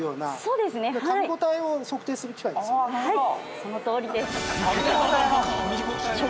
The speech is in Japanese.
そのとおりです。